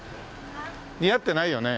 似合ってないよね？